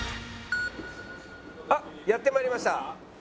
あっやって参りました。